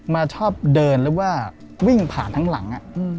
ชอบเดินหรือว่าวิ่งผ่านทั้งหลัง